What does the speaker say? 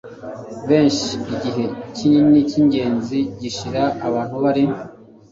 menshi igihe kinini cyingenzi gishira abantu bari